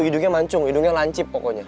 hidungnya mancung hidungnya lancip pokoknya